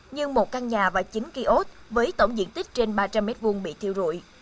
nhưng một căn nhà và chín kiosk với tổng diện tích trên ba trăm linh m hai bị thiêu rụi